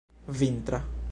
vintra